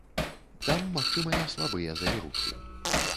Там магчымыя слабыя завірухі.